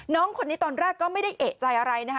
น้องคนนี้ตอนแรกก็ไม่ได้เอกใจอะไรนะคะ